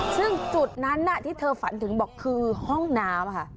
ซึ่งจุดนั้นที่เธอฝันถึงบอกคือห้องน้ำค่ะ